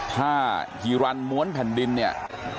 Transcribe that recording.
ถ้าฮีรันม้วนแผ่นดินเนี่ย